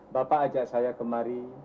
bapak ajak saya kemari